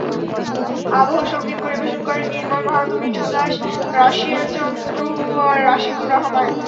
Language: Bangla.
আবহ সংগীত পরিবেশন করেন নির্মল মাহাতো, মিঠু দাস, রাশিয়ান চন্দ্র, আশিকুর রহমান।